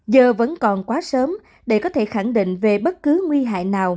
giờ vẫn còn quá sớm để có thể khẳng định về bất cứ nguy hại nào